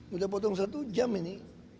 udah potong satu jam ini